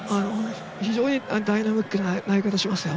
非常にダイナミックな投げ方、しますよ。